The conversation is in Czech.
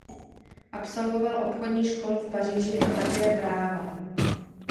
Absolvoval Obchodní školu v Paříži a také práva.